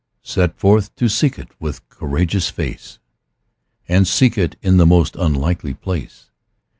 "Set forth to seek it with courageous face. And seek it in the most unlikely place."